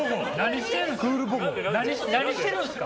何してるんですか。